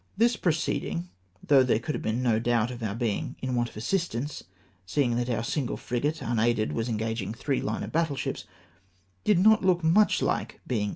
This proceeding — though there could be no doubt of our being " In want of assistance,'^ seeing that our single frigate, unaided, was engaging three hne of battle ships — did not look much hke being " i?